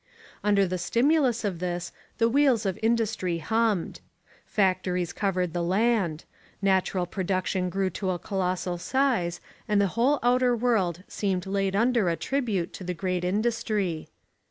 Under the stimulus of this the wheels of industry hummed. Factories covered the land. National production grew to a colossal size and the whole outer world seemed laid under a tribute to the great industry.